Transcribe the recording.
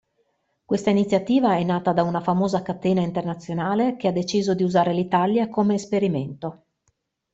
Questa iniziativa è nata da una famosa catena internazionale che ha deciso di usare l'Italia come esperimento.